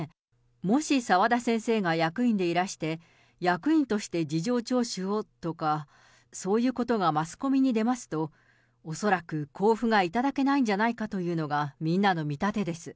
もし澤田先生が役員でいらして、役員として事情聴取をとか、そういうことがマスコミに出ますと、恐らく交付が頂けないんじゃないかというのがみんなの見立てです。